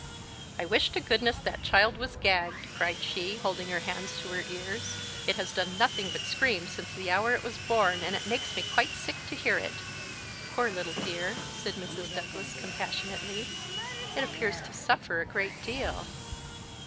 "I wish to goodness that child was gagged," cried she, holding her hands to her ears. "It has done nothing but scream since the hour it was born, and it makes me quite sick to hear it." "Poor little dear!" said Mrs. Douglas compassionately, "it appears to suffer a great deal."